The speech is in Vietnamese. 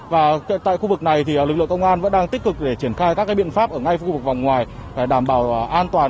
và tại khu vực này thì lực lượng công an vẫn đang tích cực để triển khai các biện pháp ở ngay khu vực vòng ngoài để đảm bảo an toàn